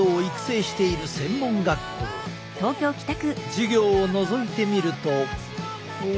授業をのぞいてみると。